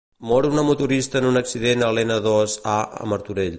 Mor una motorista en un accident a l'N-IIa a Martorell.